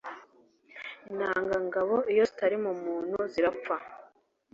Intangangabo iyo zitari mu muntu zirapfa